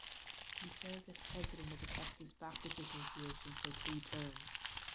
He served as president of the Texas Baptist Association for three terms.